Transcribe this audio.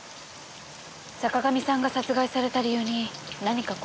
坂上さんが殺害された理由に何か心当たりは？